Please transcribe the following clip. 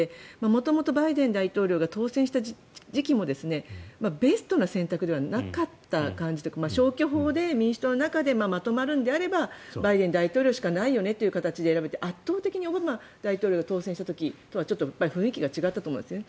元々バイデン大統領が当選した時期もベストな選択ではなかった感じで消去法で民主党の中でまとまるのであればバイデン大統領しかないよねという形で選ばれて圧倒的にオバマ大統領が当選した時とはちょっと雰囲気が違ったと思うんです。